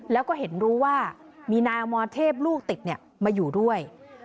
แล้วก็เห็นรู้ว่ามีนายอมรเทพลูกติดมาอยู่ด้วย